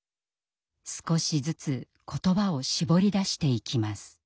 少しずつ言葉をしぼり出していきます。